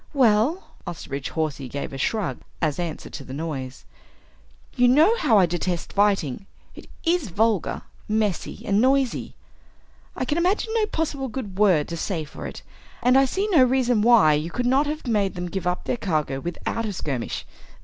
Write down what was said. "Well," Osterbridge Hawsey gave a shrug as answer to the noise, "you know how I detest fighting. It is vulgar, messy, and noisy. I can imagine no possible good word to say for it. And I see no reason why you could not have made them give up their cargo without a skirmish.